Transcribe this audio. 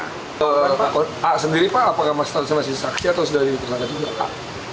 pak sendiri pak apakah statusnya masih saksi atau sudah diterangkan juga